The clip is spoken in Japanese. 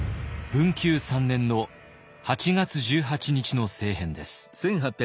文久３年の八月十八日の政変です。